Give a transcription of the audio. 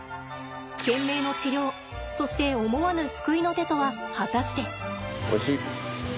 懸命の治療そして思わぬ救いの手とは果たして。